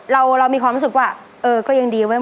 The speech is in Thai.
เรามีความรู้สึกว่าเออก็ยังดีเว้